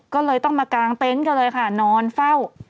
ก็เลยต้องมากางเต็นต์กันเลยค่ะนอนเฝ้า